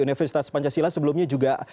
universitas pancasila sebelumnya juga